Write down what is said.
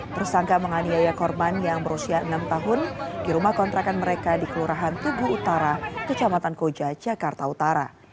tersangka menganiaya korban yang berusia enam tahun di rumah kontrakan mereka di kelurahan tugu utara kecamatan koja jakarta utara